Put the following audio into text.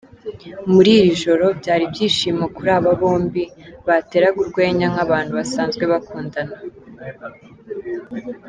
Muri iri joro byari ibyishimo kuri aba bombi, bateraga urwenya nk’abantu basanzwe bakundana.